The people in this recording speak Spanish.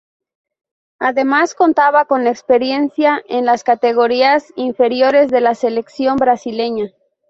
Además, contaba con experiencia en las categorías inferiores de la Selección Brasileña.